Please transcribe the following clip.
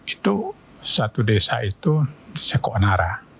itu satu desa itu seko onara